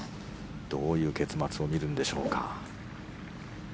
どういう結末を見るんでしょうか。